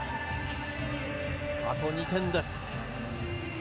あと２点です。